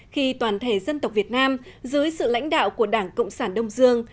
khi toàn thể dân tộc việt nam dưới sự lãnh đạo của đảng cộng sản đông dương